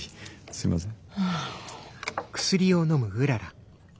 すいません。